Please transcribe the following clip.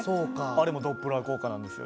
あれもドップラー効果なんですよね。